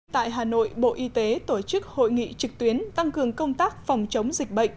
tại hà nội bộ y tế tổ chức hội nghị trực tuyến tăng cường công tác phòng chống dịch bệnh